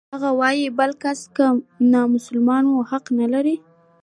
هغه وايي بل کس که نامسلمان و حق نلري.